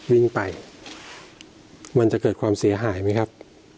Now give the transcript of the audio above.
วิ่งไปมันจะเกิดความเสียหายไหมครับ